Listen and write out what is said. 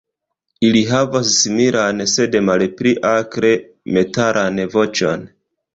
Ili havas similan, sed malpli akre metalan voĉon.